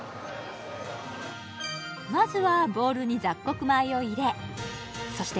まずはボウルに雑穀米を入れそして